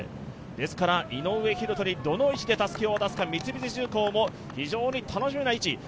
ですから井上大仁にどの位置でたすきを渡すか三菱重工も非常に楽しみな位置。